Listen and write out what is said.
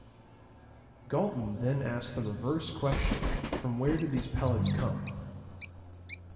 Galton then asked the reverse question from where did these pellets come?